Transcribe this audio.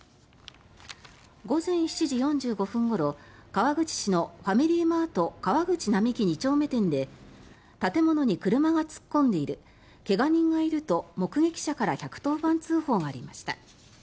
午前７時４５分ごろ川口市のファミリーマート川口並木二丁目店で建物に車が突っ込んでいる怪我人がいると目撃者から１１０番通報がありました。